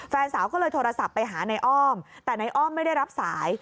แฟนสาวก็เลยโทรศัพท์ไปหาในอ้อมแต่นายอ้อมไม่ได้รับสาย